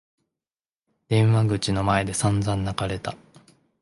電話口の前で散々泣かれた。